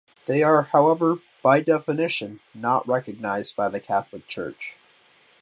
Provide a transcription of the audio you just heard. They are however, by definition, not recognised by the Catholic Church.